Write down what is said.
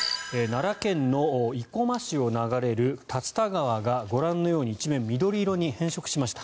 奈良県の生駒市を流れる竜田川がご覧のように一面、緑色に変色しました。